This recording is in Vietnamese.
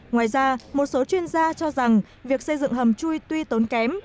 ngoài ra một số chuyên gia cho rằng việc xây dựng hầm chui tuy tốn kém